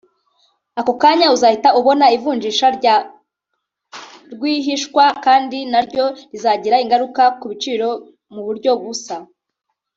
Ako kanya uzahita ubona ivunjisha rya rwihishwa kandi naryo rizagira ingaruka ku biciro mu buryo busa